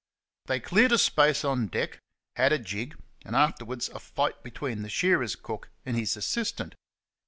They cleared a space on deck, had a jig, and afterwards a fight between the shearers' cook and his assistant.